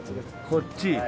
こっち？